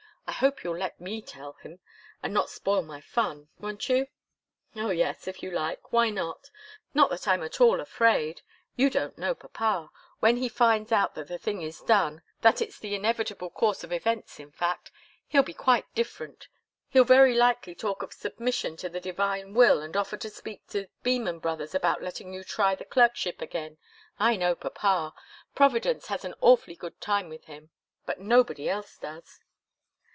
I hope you'll let me tell him and not spoil my fun. Won't you?" "Oh, yes, if you like. Why not? Not that I'm at all afraid. You don't know papa. When he finds that the thing is done, that it's the inevitable course of events, in fact, he'll be quite different. He'll very likely talk of submission to the Divine will and offer to speak to Beman Brothers about letting you try the clerkship again. I know papa! Providence has an awfully good time with him but nobody else does."